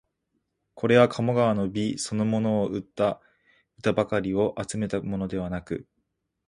これは鴨川の美そのものをうたった歌ばかりを集めたものではなく、